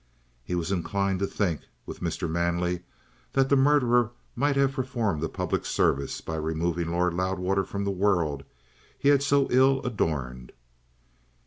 He was inclined to think, with Mr. Manley, that the murderer might have performed a public service by removing Lord Loudwater from the world he had so ill adorned.